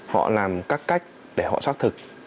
họ làm các cách để họ xác thực